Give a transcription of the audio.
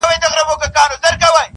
ما یې په خوبونو کي سیندونه وچ لیدلي دي-